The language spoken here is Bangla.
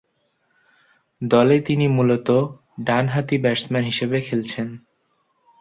দলে তিনি মূলতঃ ডানহাতি ব্যাটসম্যান হিসেবে খেলছেন।